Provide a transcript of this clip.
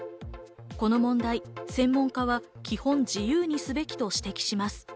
この問題、専門家は基本自由にすべきと指摘します。